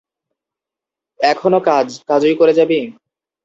এখনো কাজ, কাজই করে যাবি?